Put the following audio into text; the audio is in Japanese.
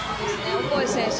オコエ選手